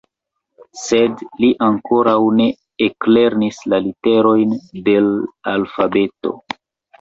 Sed li ankoraŭ ne eklernis la literojn de l' alfabeto.